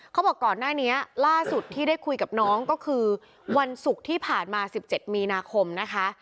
ก่อนหน้านี้ล่าสุดที่ได้คุยกับน้องก็คือวันศุกร์ที่ผ่านมา๑๗มีนาคมนะคะ